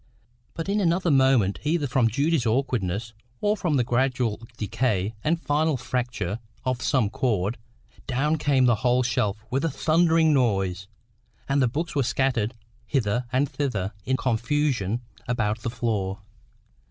But in another moment, either from Judy's awkwardness, or from the gradual decay and final fracture of some cord, down came the whole shelf with a thundering noise, and the books were scattered hither and thither in confusion about the floor.